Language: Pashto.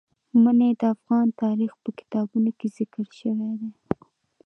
منی د افغان تاریخ په کتابونو کې ذکر شوی دي.